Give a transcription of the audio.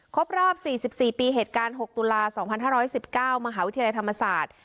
ครบรอบ๔๔ปีเหตุการณ์๖ตุลา๒๕๑๙มหาวิทยาลัยธรรมศาสตร์